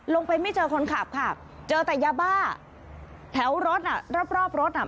ไม่เจอคนขับค่ะเจอแต่ยาบ้าแถวรถอ่ะรอบรอบรถอ่ะ